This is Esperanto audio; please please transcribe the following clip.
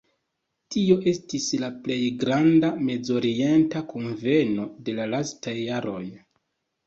Tio estis la plej granda Mezorienta Kunveno de la lastaj jaroj.